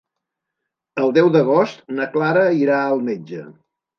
El deu d'agost na Clara irà al metge.